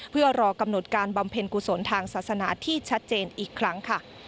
เพื่อรอกำหนดการบำเพ็ญกุศลทางศาสนาที่ชัดเจนอีกครั้งค่ะ